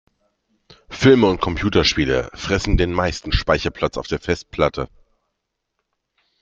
Filme und Computerspiele fressen den meisten Speicherplatz auf der Festplatte.